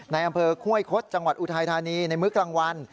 ในอำเภอห้วยคดจังหวัดอุทัยธานีในมื้อกลางวัน